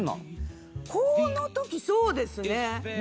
このときそうですね。